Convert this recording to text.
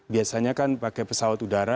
biasanya kan pakai pesawat udara